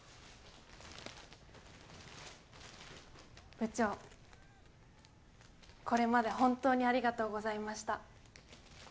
部長これまで本当にありがとうございました。